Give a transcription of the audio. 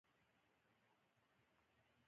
لیپټاپ د کمپيوټر یو ډول دی